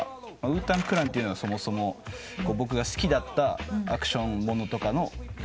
ウータン・クランっていうのがそもそも僕が好きだったアクション物とかの影響受けてたりして。